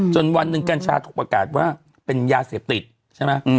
วันหนึ่งกัญชาถูกประกาศว่าเป็นยาเสพติดใช่ไหม